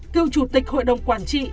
cựu chủ tịch hội đồng quản trị